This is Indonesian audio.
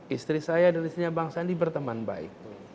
istri saya dan istrinya bang sandi berteman baik